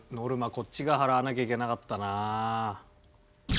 こっちが払わなきゃいけなかったなあ。